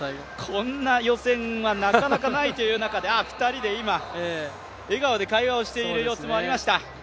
こんな予選はなかなかないという中で、２人で今、笑顔で会話をしている様子もありました。